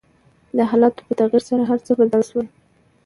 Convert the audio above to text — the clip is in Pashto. د حالاتو په تغير سره هر څه بدل شول .